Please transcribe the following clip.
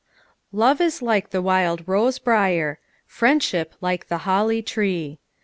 Love is like the wild rose briar; Friendship like the holly tree.